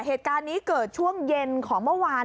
เหตุการณ์นี้เกิดช่วงเย็นของเมื่อวาน